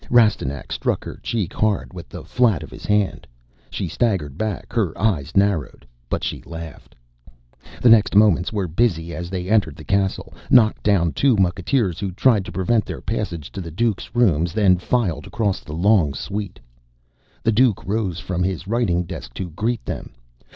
Rastignac struck her cheek hard with the flat of his hand. She staggered back, her eyes narrow, but she laughed. The next moments were busy as they entered the castle, knocked down two mucketeers who tried to prevent their passage to the Duke's rooms, then filed across the long suite. The Duke rose from his writing desk to greet them.